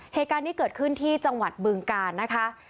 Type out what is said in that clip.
เหตุการณ์นี้เกิดขึ้นที่จังหวัดบึงกาลนะคะ